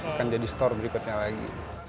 akan jadi store berikutnya lagi